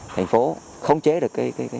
thành phố khống chế được